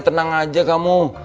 tenang aja kamu